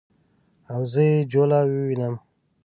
او زه یې جوله ووینم